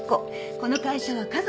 この会社は家族。